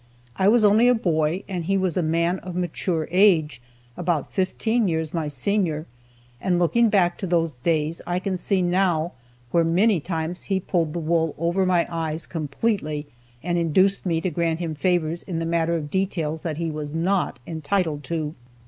I was only a boy, and he was a man of mature age, about fifteen years my senior, and looking back to those days, I can see now where many times he pulled the wool over my eyes completely and induced me to grant him favors in the matter of details that he was not entitled to.